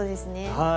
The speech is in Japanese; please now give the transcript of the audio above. はい。